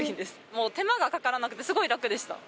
もう手間がかからなくてすごい楽でした。